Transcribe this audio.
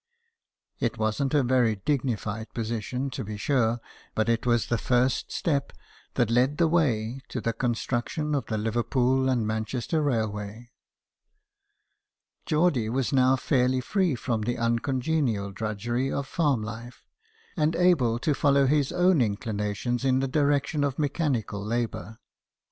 It wasn't a very dignified position, to be sure, but it was the first step that led the way to the construction of the Liverpool and Manchester Railway. Geordie was now fairly free from the uncongenial drudgery of farm life, and able to follow his own inclinations in the direction of mechanical labour.